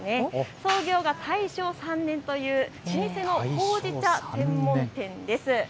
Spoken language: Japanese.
創業が大正３年という老舗のほうじ茶専門店です。